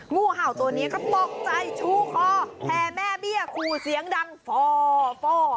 งูเห่าตัวนี้ก็ปลอกใจชู้คอแพร่แม่เบี้ยคู่เสียงดังฟอร์ฟอร์